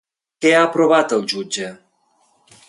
Què ha aprovat el jutge?